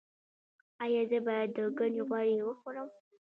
ایا زه باید د کنجد غوړي وخورم؟